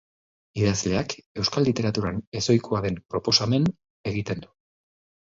Idazleak euskal literaturan ezohikoa den proposamen egiten du.